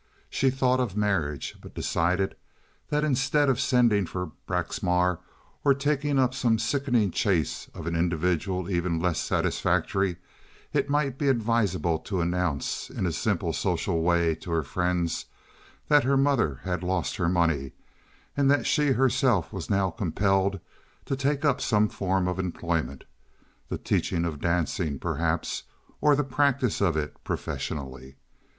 She thought of marriage, but decided that instead of sending for Braxmar or taking up some sickening chase of an individual even less satisfactory it might be advisable to announce in a simple social way to her friends that her mother had lost her money, and that she herself was now compelled to take up some form of employment—the teaching of dancing, perhaps, or the practice of it professionally.